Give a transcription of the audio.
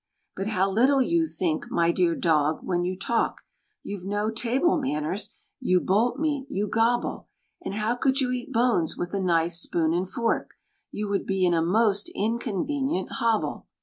But how little you think, my dear dog, when you talk; You've no "table manners," you bolt meat, you gobble; And how could you eat bones with a knife, spoon, and fork? You would be in a most inconvenient hobble.